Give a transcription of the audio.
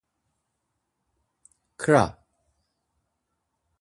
ǩra!